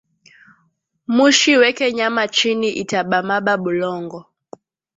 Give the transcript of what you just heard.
Mushi weke nyama chini ita bamaba bulongo